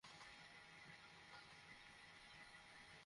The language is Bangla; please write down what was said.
আমি যদি তোমার জায়গায় হতাম, তবে এই রুমে বসেই সিগারেট ধরাতাম।